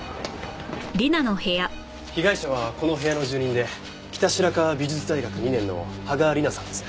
被害者はこの部屋の住人で北白川美術大学２年の芳賀理菜さんです。